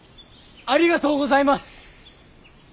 ありがとうございます！